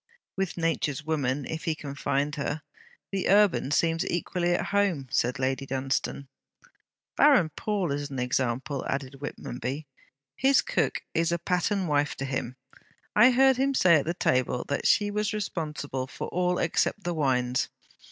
'With nature's woman, if he can find her, the urban seems equally at home,' said Lady Dunstane. 'Baron Pawle is an example,' added Whitmonby. 'His cook is a pattern wife to him. I heard him say at table that she was responsible for all except the wines.